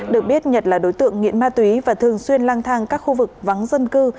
được biết nhật là đối tượng nghiện ma túy và thường xuyên lang thang các khu vực vắng dân cư